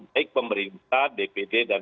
baik pemerintah dpd dan